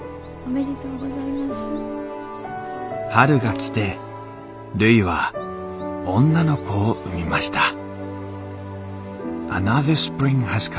春が来てるいは女の子を産みました。